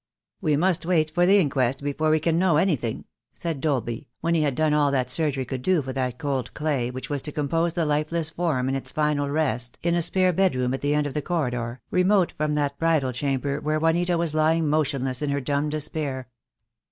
"We must wait for the inquest before we can know THE DAY WILL COME, 8 I anything," said Dolby, when he had done all that surgery could do for that cold clay, which was to compose the lifeless form in its final rest in a spare bedroom at the end of the corridor, remote from that bridal chamber where Juanita was lying motionless in her dumb despair.